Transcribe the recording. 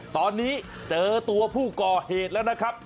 ตอนนี้เจอตัวผู้ก่อเหตุแล้วนะครับ